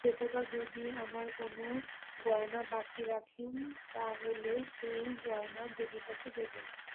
দেবতা যদি আমার কোনো গয়না বাকি রাখেন তা হলে সেই গয়না দেবতাকে দেব।